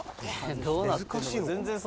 どうなってんだ。